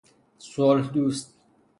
صلح دوست